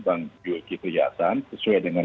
bang zulkifli hasan sesuai dengan